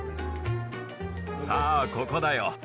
さあ、ここだよ。